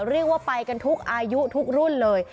เรียกว่าไปกันทุกอายุทุกรุ่นเลย